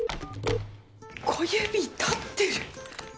小指立ってる！